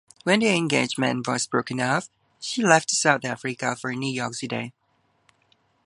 When the engagement was broken off, she left South Africa for New York City.